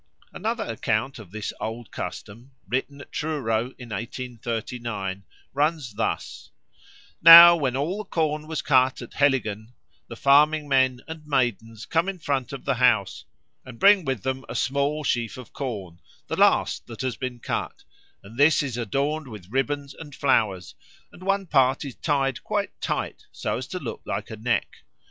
'" Another account of this old custom, written at Truro in 1839, runs thus: "Now, when all the corn was cut at Heligan, the farming men and maidens come in front of the house, and bring with them a small sheaf of corn, the last that has been cut, and this is adorned with ribbons and flowers, and one part is tied quite tight, so as to look like a neck.